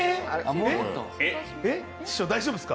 師匠、大丈夫ですか？